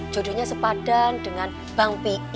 jodohnya sepadan dengan bang pih